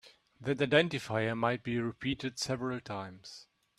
That identifier might be repeated several times.